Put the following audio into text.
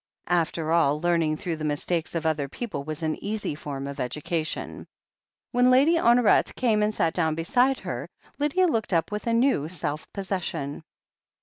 After all, learning through the mistakes of other people was an easy form of education. When Lady Honoret came and sat down beside her, Lydia looked up with a new self possession.